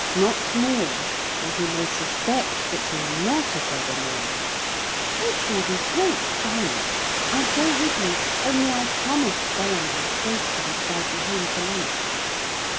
Not more, or he may suspect that you're not a beggar maid. It will be great fun. I'd go with you only I promised Bellamant faithfully that I'd be home to lunch.'